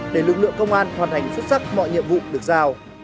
để lực lượng công an hoàn thành xuất sắc mọi nhiệm vụ được giao